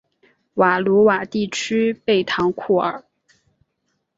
瓦卢瓦地区贝唐库尔。